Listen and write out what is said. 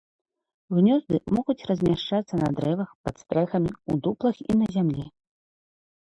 Гнёзды могуць размяшчацца на дрэвах, пад стрэхамі, у дуплах і на зямлі.